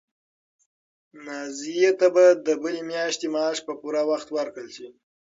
نازیې ته به د بلې میاشتې معاش په پوره وخت ورکړل شي.